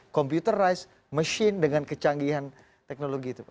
computerized machine dengan kecanggihan teknologi itu pak